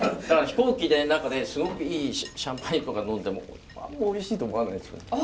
だから飛行機で中ですごくいいシャンパンとか呑んでもあんまおいしいと思わないですね。